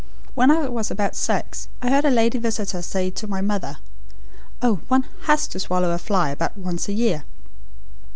When I was about six, I heard a lady visitor say to my mother: 'Oh, one HAS to swallow a fly about once a year!